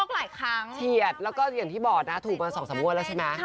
แล้วก็เทียดแล้วก็อย่างที่บอกถูกมา๒๓มูดแล้วใช่ไหม